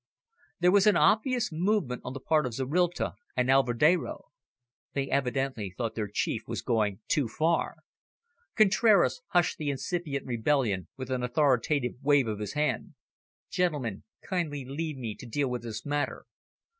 There was an obvious movement on the part of Zorrilta and Alvedero. They evidently thought their chief was going too far. Contraras hushed the incipient rebellion with an authoritative wave of his hand. "Gentlemen, kindly leave me to deal with this matter.